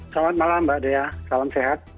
selamat malam mbak dea salam sehat